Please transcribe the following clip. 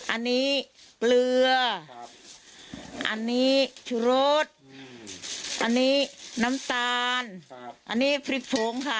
อันนี้เกลืออันนี้ชุรสอันนี้น้ำตาลอันนี้พริกโฟงค่ะ